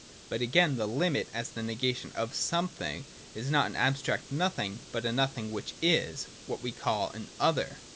But, again, the limit, as the negation of something, is not an abstract no thing but a nothing which is, — what we call an ' other.'